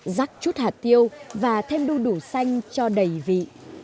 rắc chút hạt tiêu và thêm đu đủ xanh cho đầy vị